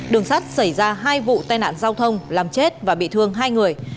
đường sát xảy ra hai vụ tên ản giao thông làm chết và bị thương hai người